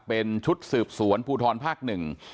เป็นชุดสืบสวนภูทรภาคหนึ่ง